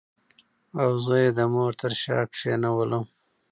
او زه یې د مور تر شا کېنولم.